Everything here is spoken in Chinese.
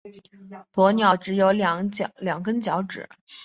鸵鸟只有两根脚趾。